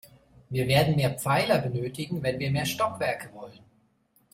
Wir werden mehr Pfeiler benötigen, wenn wir mehr Stockwerke wollen.